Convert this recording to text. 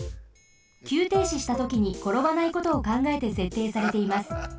きゅうていししたときにころばないことをかんがえてせっていされています。